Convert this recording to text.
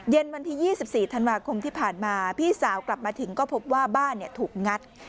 เย็นวันที่ยี่สิบสี่ธันวาคมที่ผ่านมาพี่สาวกลับมาถึงก็พบว่าบ้านเนี่ยถูกงัด